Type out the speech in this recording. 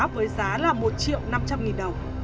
với giá là một triệu năm trăm linh nghìn đồng